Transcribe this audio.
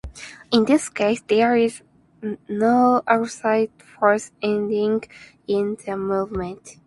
In this case, there is no outside force aiding in the movement.